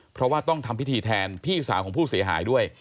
เพราะว่าต้องทำพิธีแทนพี่สาวของผู้เสียหายด้วย